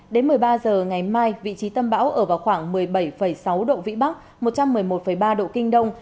đến một mươi ba h ngày mai vị trí tâm bão ở vào khoảng một mươi bảy sáu độ vĩ bắc một trăm một mươi một ba độ kinh đông